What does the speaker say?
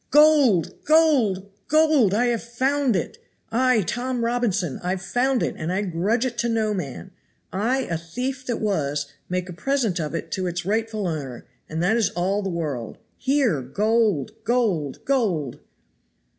GOLD! GOLD! GOLD! I have found it. I, Tom Robinson, I've found it, and I grudge it to no man. I, a thief that was, make a present of it to its rightful owner, and that is all the world. Here GOLD! GOLD! GOLD!"